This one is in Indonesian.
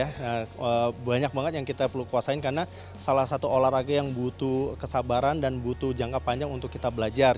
nah banyak banget yang kita perlu kuasain karena salah satu olahraga yang butuh kesabaran dan butuh jangka panjang untuk kita belajar